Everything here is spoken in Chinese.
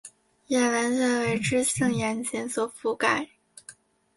眼完全为脂性眼睑所覆盖。